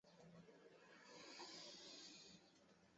对于晚清的知识分子吸收西方知识产生很大的影响。